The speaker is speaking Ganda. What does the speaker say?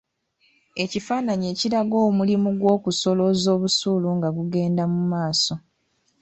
Ekifaananyi ekiraga omulimu gw’okusolooza busuulu nga gugenda mu maaso.